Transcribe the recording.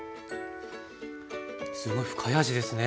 すごい深い味ですね